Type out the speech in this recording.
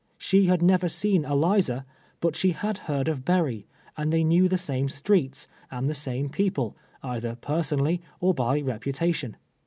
She had never seen Eliza, but she had heard of Berry, and they knew the same streets, and the same people, either personally, or by reputation.